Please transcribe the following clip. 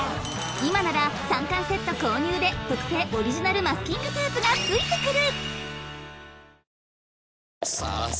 今なら３巻セット購入で特製オリジナルマスキングテープがついてくる！